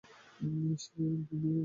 মেই, আমরা।